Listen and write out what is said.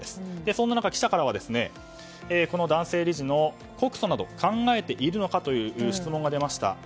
そんな中、記者からはこの男性理事の告訴など考えているのかという質問が出ました。